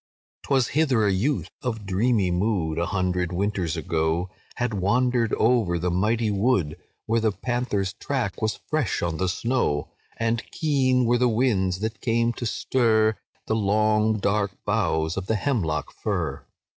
"'Twas hither a youth of dreamy mood, A hundred winters ago, Had wandered over the mighty wood, When the panther's track was fresh on the snow; And keen were the winds that came to stir The long dark boughs of the hemlock fir.